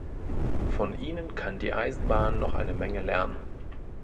Von ihnen kann die Eisenbahn noch eine Menge lernen.